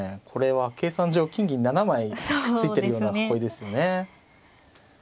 これは計算上金銀７枚くっついてるような囲いですね。